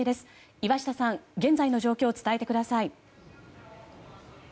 岩下さん、現在の状況を伝えてください。